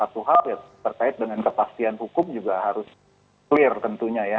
terkait dengan kepastian hukum juga harus clear tentunya ya